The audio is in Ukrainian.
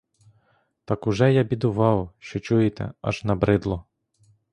Так уже я бідував, що, чуєте, аж обридло.